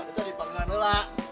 kita dipakai naun lah